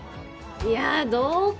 いやどうかな。